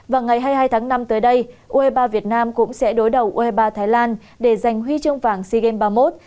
và ngày hai mươi hai tháng năm tới đây u hai mươi ba việt nam cũng sẽ đối đầu u hai mươi ba thái lan để giành huy chương vàng sea games ba mươi một